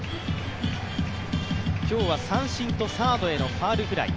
今日は三振とサードへのファウルフライ。